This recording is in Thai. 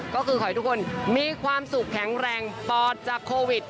ก็คือขอให้ทุกคนมีความสุขแข็งแรงปอดจากโควิด